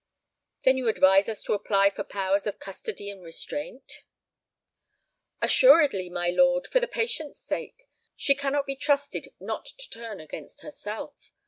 "Then you advise us to apply for powers of custody and restraint." "Assuredly, my lord, for the patient's sake. She cannot be trusted not to turn against herself.